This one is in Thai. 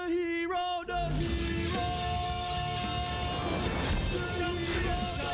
ตอนนี้มวยกู้ที่๓ของรายการ